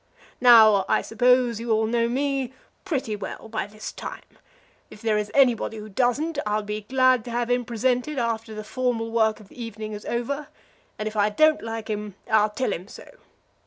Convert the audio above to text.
Now, I suppose you all know me pretty well by this time. If there is anybody who doesn't, I'll be glad to have him presented after the formal work of the evening is over, and if I don't like him I'll tell him so.